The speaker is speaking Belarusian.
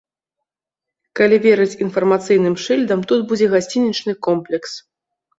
Калі верыць інфармацыйным шыльдам, тут будзе гасцінічны комплекс.